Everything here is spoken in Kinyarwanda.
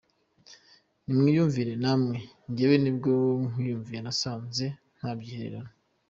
Nimwiyumvire namwe jyewe nibwo nkiyumva nasanze ntabyihererana.